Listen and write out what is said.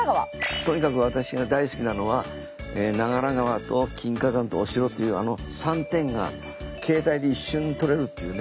とにかく私が大好きなのは長良川と金華山とお城というあの３点が携帯で一緒に撮れるというね